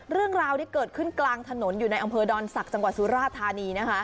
เรื่องราวที่เกิดขึ้นกลางถนนอยู่ในอำเภอดอนศักดิ์จังหวัดสุราธานีนะคะ